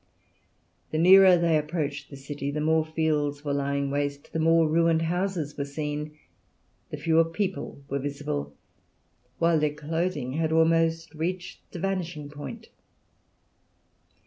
The nearer they approached the city the more fields were lying waste, the more ruined houses were seen, the fewer people were visible, while their clothing had almost reached the vanishing point.